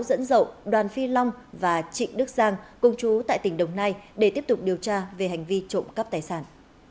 dẫn dậu đoàn phi long và trịnh đức giang công chú tại tỉnh đồng nai để tiếp tục điều tra về hành vi trộm cắp tài sản